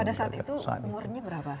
pada saat itu umurnya berapa